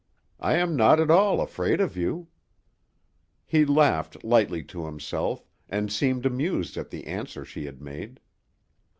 I am not at all afraid of you." He laughed lightly to himself, and seemed amused at the answer she had made.